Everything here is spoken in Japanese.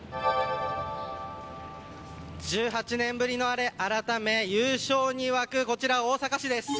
１８年ぶりのアレ改め優勝に湧く、こちら大阪市です。